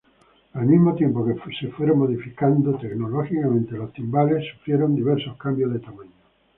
Al mismo tiempo que fueron modificándose tecnológicamente, los timbales sufrieron diversos cambios de tamaño.